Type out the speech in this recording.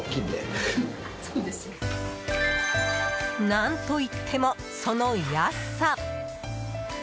何といってもその安さ！